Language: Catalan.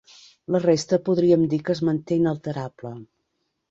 La resta podríem dir que es manté inalterable.